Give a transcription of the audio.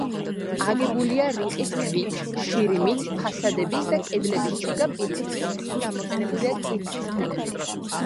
აგებულია რიყის ქვით, შირიმით, ფასადების და კედლების შიგა პირისთვის კი გამოყენებულია კირქვის ფილები.